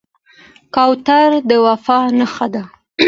کوتره د وفا نښه ده.